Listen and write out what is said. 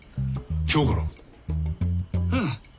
うん。